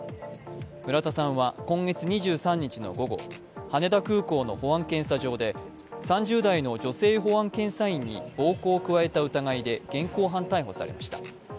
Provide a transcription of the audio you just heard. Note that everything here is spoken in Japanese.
村田さんは今月２３日の午後、羽田空港の保安検査場で３０代の女性保安検査員に暴行を加えた疑いで現行犯逮捕されました。